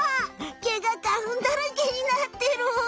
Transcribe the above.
毛が花ふんだらけになってる！